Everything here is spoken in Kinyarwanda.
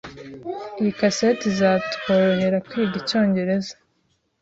Iyi kaseti izatworohera kwiga icyongereza.